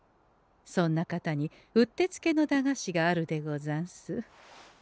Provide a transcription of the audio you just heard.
そんな方にうってつけの駄菓子があるでござんす。